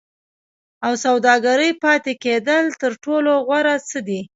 او سوداګرۍ پاتې کېدل تر ټولو غوره څه دي.